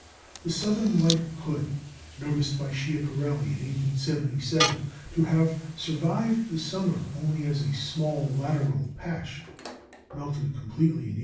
The southern white hood, noticed by Schiaparelli in 1877 to have survived the summer only as a small lateral patch, melted completely in 1894.